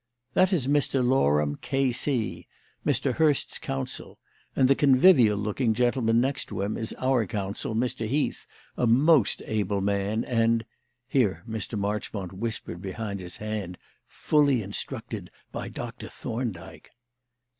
"That is Mr. Loram, K.C., Mr. Hurst's counsel; and the convivial looking gentleman next to him is our counsel, Mr. Heath, a most able man and" here Mr. Marchmont whispered behind his hand "fully instructed by Doctor Thorndyke."